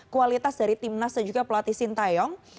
kualitas dari tim nas dan juga pelatih sintayong